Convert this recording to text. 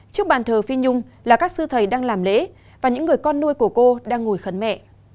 trước bàn thờ phi nhung là các sư thầy đang làm lễ và những người con nuôi của cô đang ngồi khấn mẹ